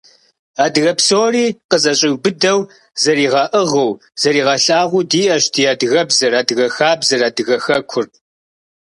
Адыгэ псори къызэщӀиубыдэу, зэригъэӀыгъыу, зэригъэлъагъуу диӀэщ ди адыгэбзэр, адыгэ хабзэр, адыгэ хэкур.